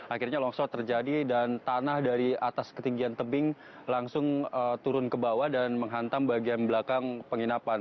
akhirnya longsor terjadi dan tanah dari atas ketinggian tebing langsung turun ke bawah dan menghantam bagian belakang penginapan